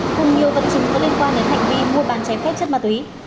cùng nhiều vật chứng có liên quan đến hành vi mua bán trái phép chất ma túy